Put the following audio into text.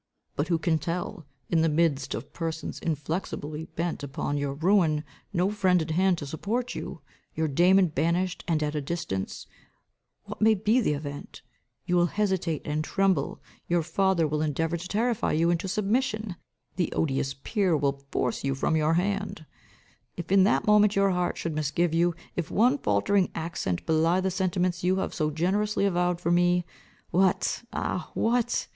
But who can tell, in the midst of persons inflexibly bent upon your ruin, no friend at hand to support you, your Damon banished and at a distance, what may be the event? You will hesitate and tremble, your father will endeavour to terrify you into submission, the odious peer will force from you your hand. If, in that moment, your heart should misgive you, if one faultering accent belie the sentiments you have so generously avowed for me, what, ah, what!